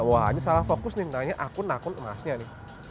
wah ini salah fokus nih nanya akun akun emasnya nih